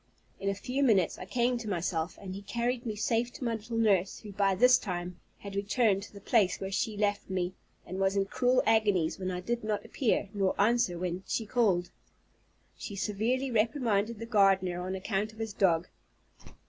In a few minutes I came to myself, and he carried me safe to my little nurse, who, by this time, had returned to the place where she left me, and was in cruel agonies when I did not appear, nor answer when she called. She severely reprimanded the gardener on account of his dog.